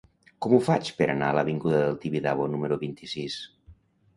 Com ho faig per anar a l'avinguda del Tibidabo número vint-i-sis?